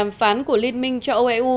trong đàm phán của liên minh châu âu eu